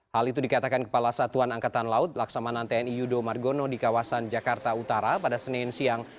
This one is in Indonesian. hal itu dikatakan kepala satuan angkatan laut laksamana tni yudo margono di kawasan jakarta utara pada senin siang